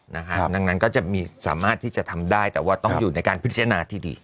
ดังนั้นก็จะสามารถที่จะทำได้แต่ว่าต้องอยู่ในการพิจารณาที่ดี